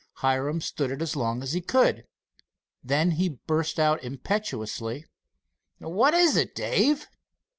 Hiram stood it as long as he could. Then he burst out impetuously: "What is it, Dave?"